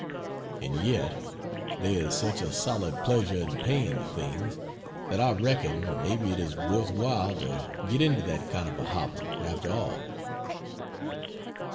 And yet there is such a solid pleasure in paying the things that I reckon maybe it is worth while to get into that kind of a hobble, after all.